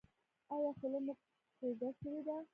ایا خوله مو کوږه شوې ده؟